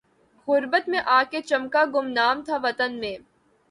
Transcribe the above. غربت میں آ کے چمکا گمنام تھا وطن میں